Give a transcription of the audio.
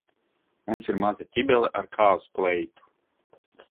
Mums ir maza ķibele ar kāzu kleitu.